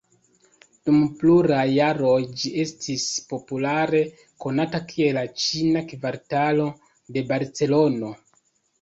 Dum pluraj jaroj ĝi estis populare konata kiel la Ĉina Kvartalo de Barcelono.